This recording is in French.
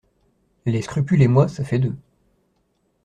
Les scrupules et moi, ça fait deux.